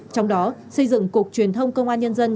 trong đó xây dựng cục truyền thông công an nhân dân